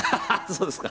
そうですか。